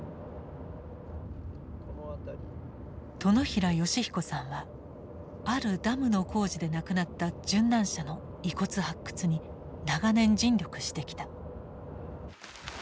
殿平善彦さんはあるダムの工事で亡くなった殉難者の遺骨発掘に長年尽力してきた。